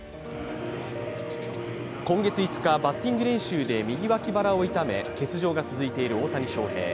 今月５日、バッティング練習で右脇腹を痛め欠場が続いている大谷翔平。